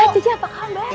cici apa kabar